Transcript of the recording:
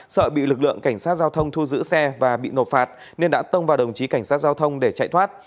sợ bị lực lượng cảnh sát giao thông thu giữ xe và bị nộp phạt nên đã tông vào đồng chí cảnh sát giao thông để chạy thoát